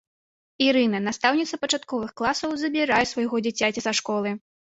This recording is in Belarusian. Ірына, настаўніца пачатковых класаў, забірае свайго дзіцяці са школы.